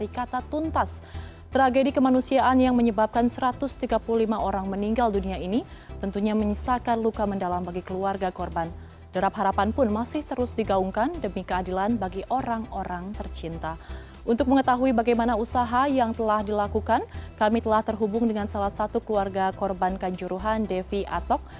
kami telah terhubung dengan salah satu keluarga korbankan juruhan devi atok